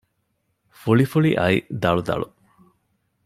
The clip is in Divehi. ފުޅިފުޅިއައި ދަޅުދަޅު